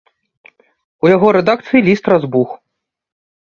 У яго рэдакцыі ліст разбух.